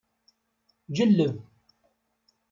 Ǧelleb.